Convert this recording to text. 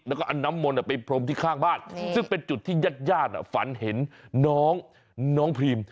แล้วก็เอาน้ำมนต์ไปพรมที่ข้างบ้านซึ่งเป็นจุดที่ญาติญาติฝันเห็นน้องพรีม